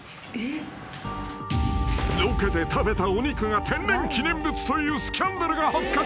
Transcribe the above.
［ロケで食べたお肉が天然記念物というスキャンダルが発覚］